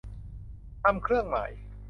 ทำเครื่องหมาย